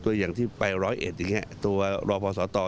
ตัวอย่างที่ไปร้อยหลีเบดอย่างเงี้ยตัวรพพศตร